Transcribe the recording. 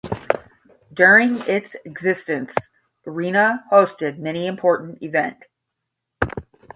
During its existence - arena hosted many important event.